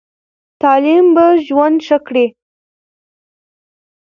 تعلیم به ژوند ښه کړي.